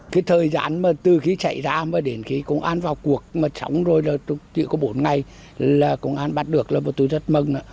cái thời gian mà từ khi chạy ra đến khi công an vào cuộc mà sống rồi là chỉ có bốn ngày là công an bắt được là tôi rất mừng